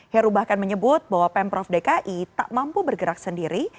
heru bahkan menyebut bahwa pemprov dki tak mampu bergerak sendiri